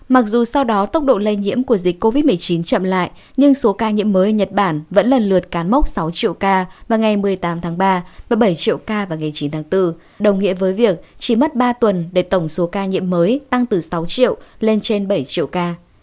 mặc dù sau đó tốc độ lây nhiễm của dịch covid một mươi chín chậm lại nhưng số ca nhiễm mới ở nhật bản vẫn lần lượt cán mốc sáu triệu ca vào ngày một mươi tám tháng ba và bảy triệu ca vào ngày chín tháng bốn đồng nghĩa với việc chỉ mất ba tuần để tổng số ca nhiễm mới tăng từ sáu triệu lên trên bảy triệu ca